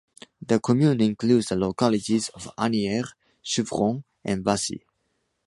The commune includes the localities of Anières, Chevrens and Bassy.